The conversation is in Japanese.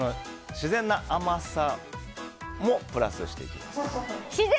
自然な甘さもプラスしていきます。